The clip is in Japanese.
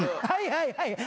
はいはい。